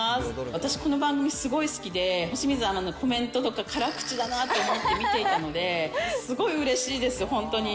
私、この番組すごい好きで、清水アナのコメントとか辛口だなーと思って見ていたので、すごいうれしいです、本当に。